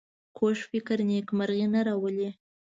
کوږ فکر نېکمرغي نه راولي